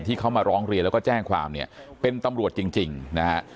ที่เขามาร้องเรียนแล้วก็แจ้งความเนี่ยเป็นตำรวจจริงนะฮะ